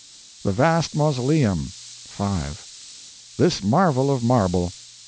The vast mausoleum 5. This marvel of marble 5.